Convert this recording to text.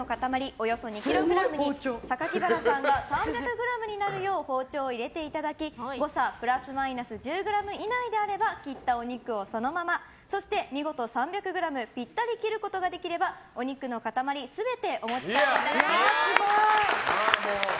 およそ２ｋｇに榊原さんが３００ｇになるよう包丁を入れていただき誤差プラスマイナス１０ｇ以内であれば切ったお肉をそのままそして見事３００ｇぴったりに切ることができればお肉の塊全てお持ち帰りいただけます。